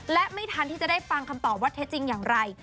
และไม่ทันที่จะได้ฟังคำตอบว่าเท็จจริงอย่างไร